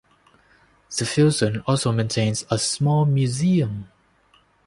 The Filson also maintains a small museum.